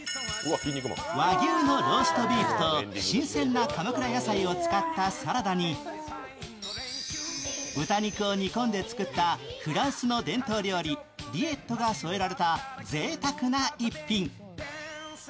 和牛のローストビーフと新鮮な鎌倉野菜を使ったサラダに豚肉を煮込んで作ったフランスの伝統料理、リエットが添えられたぜいたくな一品。